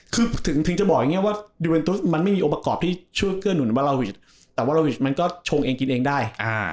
คือถึงถึงจะบอกอย่างเงี้ยว่ามันไม่มีองค์ประกอบที่ช่วยเกลือหนุนแต่ว่ามันก็ชงเองกินเองได้อ่า